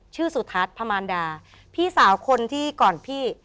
ชื่อจุธัษย์พระมารดาพี่สาวคนที่ก่อนพี่